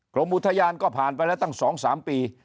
กรมอุทยานก็ผ่านไปแล้วตั้ง๒๓ปี